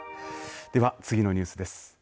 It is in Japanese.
では次のニュースです。